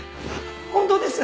本当です！